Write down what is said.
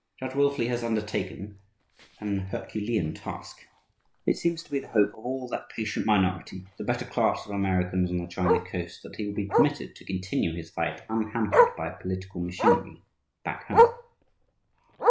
Judge Wilfley has undertaken an Herculean task. It seems to be the hope of all that patient minority, the better class of Americans on the China Coast, that he will be permitted to continue his fight unhampered by political machinery "back home."